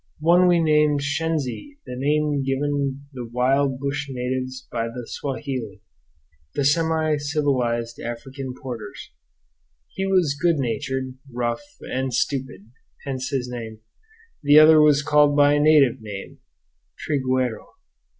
One we named "Shenzi," the name given the wild bush natives by the Swahili, the semi civilized African porters. He was good natured, rough, and stupid hence his name. The other was called by a native name, "Trigueiro."